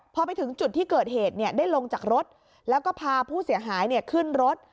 พอไปถึงจุดที่เกิดเหตุได้ลงจากรถแล้วก็พาผู้เสียหายขึ้นรถ